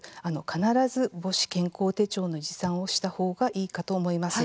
必ず母子健康手帳の持参をした方がいいかと思います。